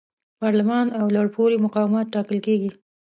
پارلمان او لوړپوړي مقامات ټاکل کیږي.